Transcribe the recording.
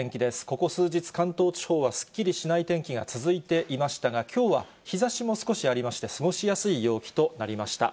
ここ数日、関東地方はすっきりしない天気が続いていましたが、きょうは日ざしも少しありまして、過ごしやすい陽気となりました。